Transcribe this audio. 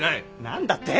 何だって？